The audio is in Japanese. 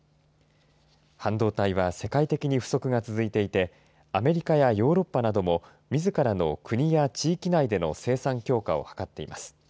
半導体は世界的に不足が続いていてアメリカやヨーロッパなどもみずからの国や地域内での生産強化を図っています。